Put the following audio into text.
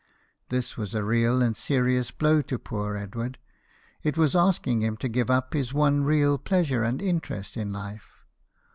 This was a real and serious blow to poor Edward ; it was asking him to give up his one real pleasure and interest in life.